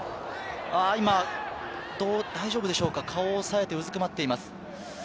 今大丈夫でしょうか、顔を押さえて、うずくまっています。